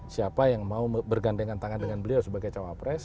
siapa yang mau bergandengan tangan dengan beliau sebagai cawapres